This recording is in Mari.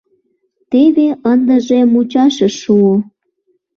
Теве ындыже мучашыш шуо.